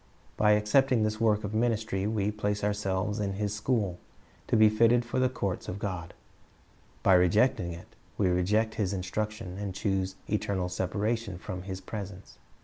By accepting this work of ministry we place ourselves in His ilsa. 27:5 ''Who Is My N ci gJibor ?" 389 school, to be fitted for the courts of God. Ry rejecting it, we reject His instruction, and choose eternal separation from His presence.